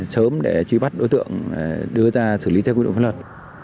sớm để truy bắt đối tượng đưa ra xử lý theo quy định pháp luật